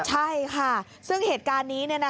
ใช่ค่ะซึ่งเหตุการณ์นี้